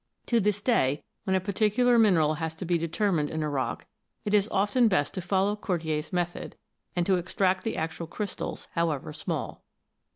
To this day, when a particular mineral has to be determined in a rock, it is often best to follow Cordier's method, and to extract the actual crystals, however small.